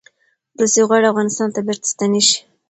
روسې غواړي افغانستان ته بیرته ستنې شي.